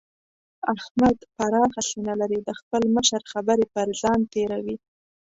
احمد پراخه سينه لري؛ د خپل مشر خبرې پر ځان تېروي.